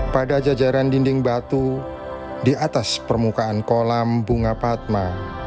pada jajaran dinding batu di atas permukaan kolam bunga padma